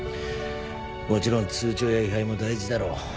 もちろん通帳や位牌も大事だろう。